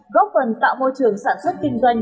góp phần tạo môi trường sản xuất kinh doanh